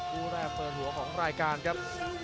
คู่แรกเปิดหัวของรายการครับ